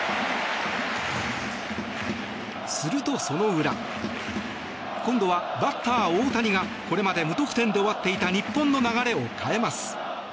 するとその裏今度はバッター・大谷がこれまで無得点で終わっていた日本の流れを変えます。